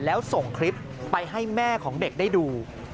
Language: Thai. แล้วส่งคลิปไปให้แม่ของเด็กได้ดู